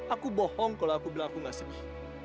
aku bohong kalau aku bilang aku gak sedih